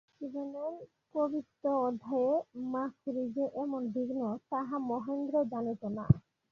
জীবনের কবিত্ব-অধ্যায়ে মা খুড়ী যে এমন বিঘ্ন, তাহা মহেন্দ্র জানিত না।